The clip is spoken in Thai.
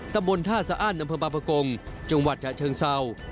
ตำบลท่าสะอ้านอำเภอบาปกงจังหวัดฉะเชิงเศร้า